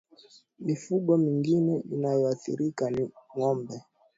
Mifugo mingine inayoathirika ni ngombe